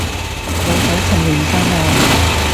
有仔趁嫩生喎